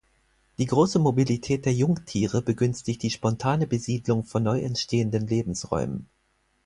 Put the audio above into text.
Die große Mobilität der Jungtiere begünstigt die spontane Besiedlung von neu entstehenden Lebensräumen.